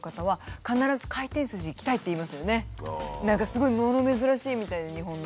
何かすごいもの珍しいみたいで日本の。